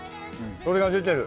それが出てる。